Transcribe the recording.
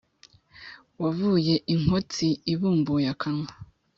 wavuye inkotsi ibumbuye akanwa